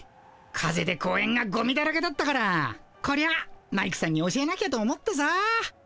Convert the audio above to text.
風で公園がゴミだらけだったからこりゃマイクさんに教えなきゃと思ってさ。